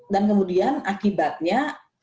dan kemudian akibatnya